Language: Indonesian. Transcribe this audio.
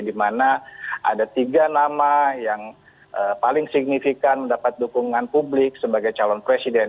di mana ada tiga nama yang paling signifikan mendapat dukungan publik sebagai calon presiden